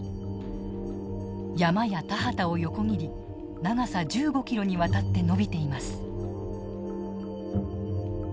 山や田畑を横切り長さ１５ｋｍにわたって延びています。